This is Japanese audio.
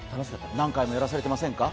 何回もやらされてませんか？